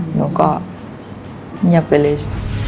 หนูก็เงียบไปเลย